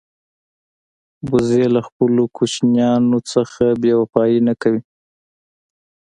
وزې له خپلو کوچنیانو نه بېوفايي نه کوي